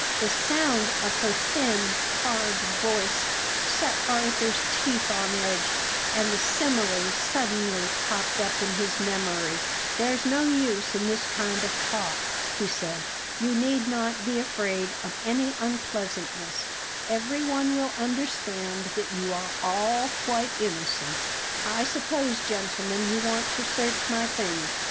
The sound of her thin, hard voice set Arthur's teeth on edge, and the simile suddenly popped up in his memory. "There's no use in this kind of talk," he said. "You need not be afraid of any unpleasantness; everyone will understand that you are all quite innocent. I suppose, gentlemen, you want to search my things.